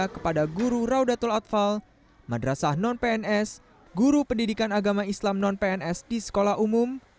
kepada guru raudatul atfal madrasah non pns guru pendidikan agama islam non pns di sekolah umum